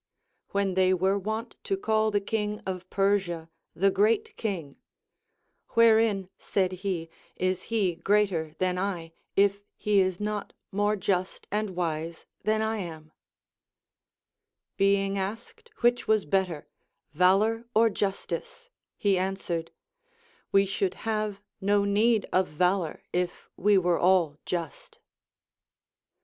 When they Avere wont to call the king of Persia the Great King, W^herein, said he, is he greater than I, if he is not more just and wise than I am] Being asked which was better, valor or justice, he answ^ered, AVe should have no need of valor, if we were all jusc.